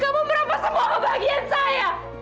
kamu merampas semua kebahagiaan saya